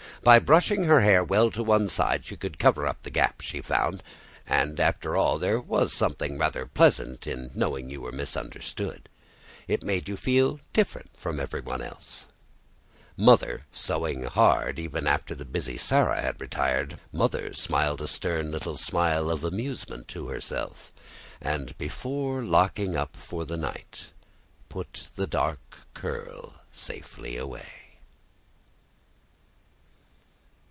By brushing her hair well to one side she could cover up the gap, she found; and after all, there was something rather pleasant in knowing that you were misunderstood. It made you feel different from everyone else. Mother sewing hard after even the busy Sarah had retired Mother smiled a stern little smile of amusement to herself; and before locking up for the night put the dark curl safely away.